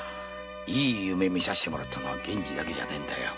いい夢見させてもらったのは源次だけじゃねえんだよ。